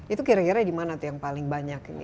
itu kira kira di mana yang paling banyak ini